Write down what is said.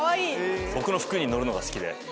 僕の服に乗るのが好きで。